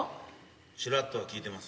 チラッとは聞いてます。